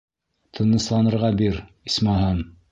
Тынысланырға бир, исмаһам!